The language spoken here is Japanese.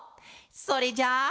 それじゃあ。